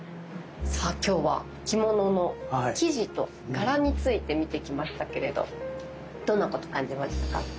さあ今日は着物の生地と柄について見てきましたけれどどんなこと感じましたか？